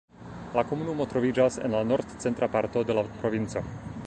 La komunumo troviĝas en la nord-centra parto de la provinco.